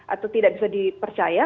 atau tidak bisa dipercaya